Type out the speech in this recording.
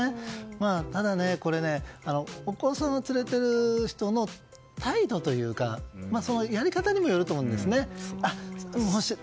ただ、お子さんを連れている人の態度というかそのやり方にもよると思うんですね。